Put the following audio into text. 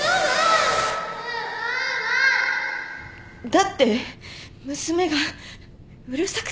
だって娘がうるさくて。